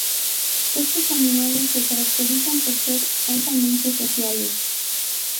Estos animales se caracterizan por ser altamente sociales.